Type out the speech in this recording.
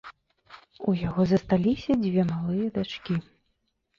У яго засталіся дзве малыя дачкі.